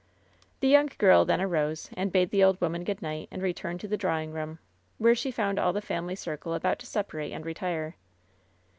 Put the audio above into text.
The young girl then arose and bade the old woman good night, and returned to the drawing room, where she found all the family circle about to separate and retire.